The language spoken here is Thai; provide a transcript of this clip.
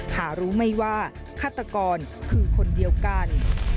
หารู้ไหมว่าฆาตกรคือคนเดียวกัน